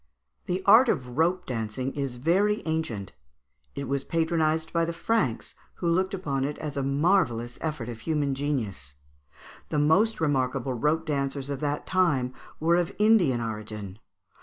] The art of rope dancing is very ancient; it was patronised by the Franks, who looked upon it as a marvellous effort of human genius. The most remarkable rope dancers of that time were of Indian origin.